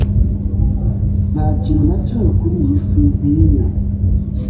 Nta kintu na kimwe kuri iyi si ntinya.